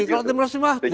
kalau tim resmi mah jelas